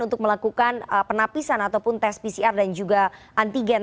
untuk melakukan penapisan ataupun tes pcr dan juga antigen